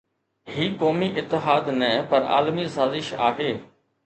هي قومي اتحاد نه پر عالمي سازش آهي.